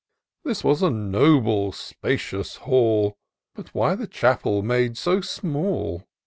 This was a noble spacious hall. But why the chapel made so small